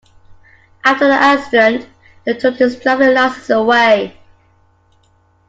After the accident, they took his driving license away.